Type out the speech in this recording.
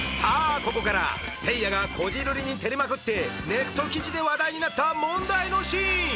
さあここからせいやがこじるりに照れまくってネット記事で話題になった問題のシーン